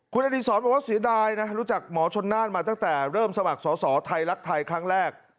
คุณอดีศรบอกว่าเสียดายนะรู้จักหมอชนน่านมาตั้งแต่เริ่มสมัครสอสอไทยรัฐไทยครั้งแรก